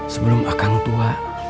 sebelum akang tua